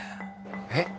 えっ！？